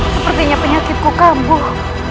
sepertinya penyakitku kambuh